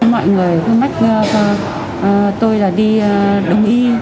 mọi người không mách tôi là đi đông y